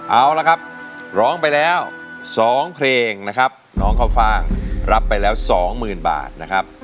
เอาละครับร้องไปแล้ว๒เพลงนะครับน้องข้าวฟ่างรับไปแล้ว๒๐๐๐บาทนะครับ